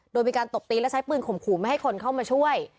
โดยมีการตบตีและใช้ปืนข่มขู่ไม่ให้คนเข้ามาช่วย